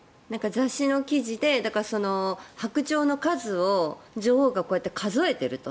雑誌の記事で白鳥の数を女王がこうやって数えていると。